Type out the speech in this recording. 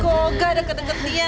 kok ga ada keteg ketian